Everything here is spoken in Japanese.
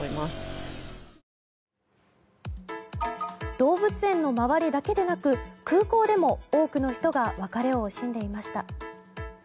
動物園の周りだけでなく空港でも多くの人が別れを惜しんでいました。